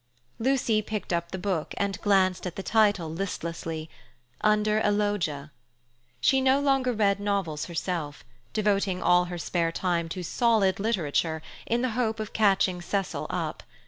Lucy picked up the book and glanced at the title listlessly, Under a Loggia. She no longer read novels herself, devoting all her spare time to solid literature in the hope of catching Cecil up.